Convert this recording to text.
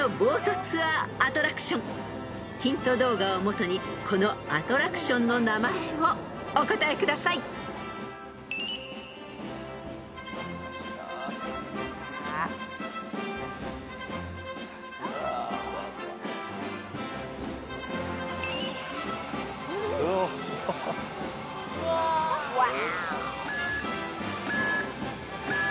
［ヒント動画をもとにこのアトラクションの名前をお答えください］うわ。